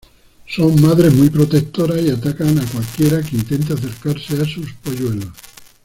Son madres muy protectoras y atacan a cualquiera que intente acercarse a sus polluelos.